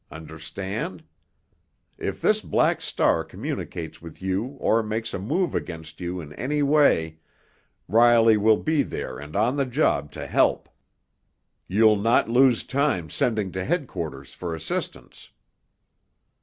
Understand? If this Black Star communicates with you or makes a move against you in any way Riley will be there and on the job to help. You'll not lose time sending to headquarters for assistance."